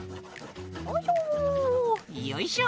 よいしょ！